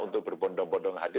untuk berbondong bondong hati